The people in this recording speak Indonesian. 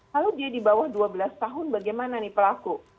lalu dia di bawah dua belas tahun bagaimana nih pelaku